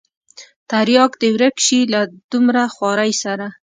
ترياک دې ورک سي له دومره خوارۍ سره.